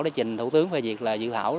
để trình thủ tướng về việc dự thảo